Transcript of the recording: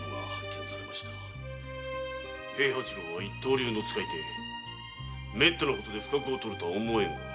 平八郎は一刀流の使い手めったな事で不覚をとるとは思えぬが。